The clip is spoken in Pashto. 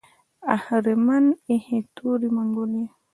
اهریمن ایښې تورې منګولې